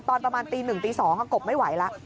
ตอนประมาณตี๑ตี๒กบไม่ไหวแล้ว